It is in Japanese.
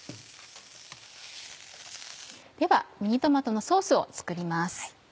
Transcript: ではミニトマトのソースを作ります。